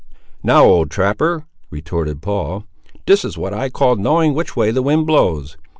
"Now, old trapper," retorted Paul, "this is what I call knowing which way the wind blows!